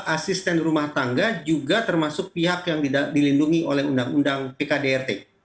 asisten rumah tangga juga termasuk pihak yang dilindungi oleh undang undang pkdrt